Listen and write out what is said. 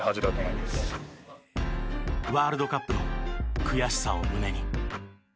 ワールドカップの悔しさを胸に。